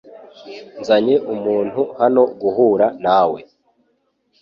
Nzanye umuntu hano guhura nawe.